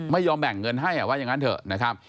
ไม่ยอมแบ่งเงินให้ว่าอย่างนั้นเถอะนะครับ